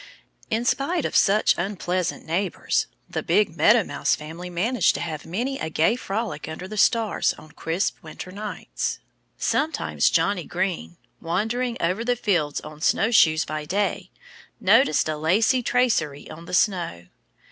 In spite of such unpleasant neighbors, the big Meadow Mouse family managed to have many a gay frolic under the stars on crisp winter nights. Sometimes Johnnie Green, wandering over the fields on snow shoes by day, noticed a lacy tracery on the snow.